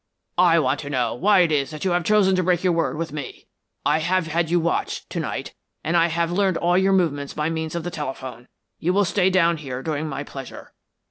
I want to know why it is that you have chosen to break your word with me? I have had you watched to night, and I have learned all your movements by means of the telephone. You will stay down here during my pleasure.